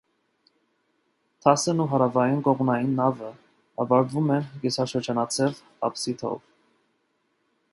Դասն ու հարավային կողմնային նավը ավարտվում են կիսաշրջանաձև ապսիդով։